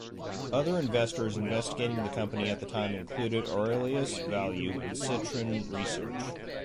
Other investors investigating the company at the time included Aurelius Value and Citron Research.